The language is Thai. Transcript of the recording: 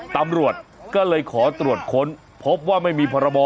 ตำรวจก็เลยขอตรวจค้นพบว่าไม่มีพรบ